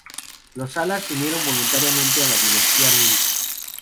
Los salar se unieron voluntariamente a la dinastía Ming.